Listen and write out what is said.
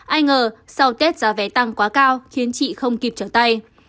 ai ngờ sau tết giá vé tăng quá cao khiến chị không kịp trở tay